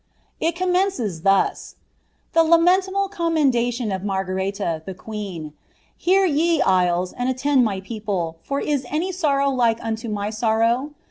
it commences thus :" The lamentable commendation of Harnreia, the queen. Hear, ye isles, and attend my people, for is any wBow like unto my sorrow